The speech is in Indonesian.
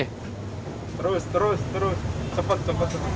terus terus terus cepat cepat